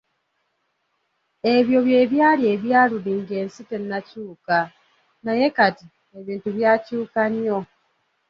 "Ebyo bye byali ebya luli nga ensi tennakyuka, naye kati ebintu byakyuka nnyo."